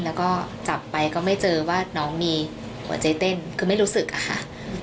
แล้วก็จับไปก็ไม่เจอว่าน้องมีหัวใจเต้นคือไม่รู้สึกอะค่ะ